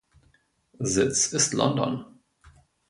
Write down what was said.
Sitz ist London.